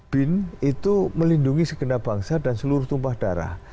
bin itu melindungi segenap bangsa dan seluruh tumpah darah